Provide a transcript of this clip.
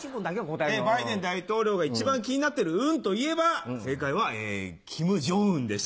バイデン大統領が一番気になってる運といえば正解はキム・ジョンウンでした。